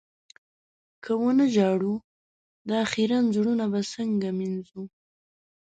که و نه ژاړو، دا خيرن زړونه به څنګه مينځو؟